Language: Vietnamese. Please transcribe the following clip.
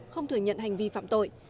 không thừa nhận hành vi phạm tội